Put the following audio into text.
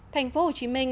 thành phố hồ chí minh